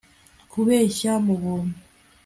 kubeshya mu buntu